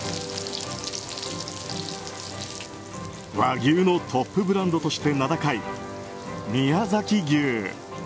和牛のトップブランドとして名高い宮崎牛。